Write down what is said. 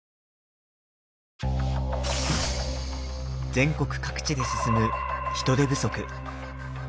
全国各地で進む人手不足。